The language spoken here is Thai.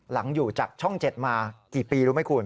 หลังอยู่จากช่อง๗มากี่ปีรู้ไหมคุณ